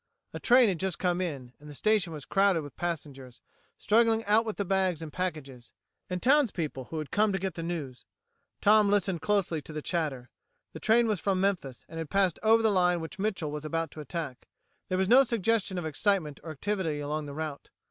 A train had just come in, and the station was crowded with passengers, struggling out with the bags and packages, and townspeople who had come to get the news. Tom listened closely to the chatter. The train was from Memphis and had passed over the line which Mitchel was about to attack. There was no suggestion of excitement or activity along the route.